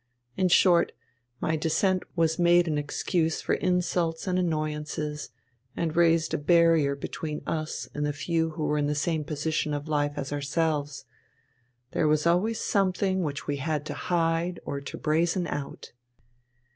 In short, my descent was made an excuse for insults and annoyances, and raised a barrier between us and the few who were in the same position of life as ourselves there was always something which we had to hide or to brazen out.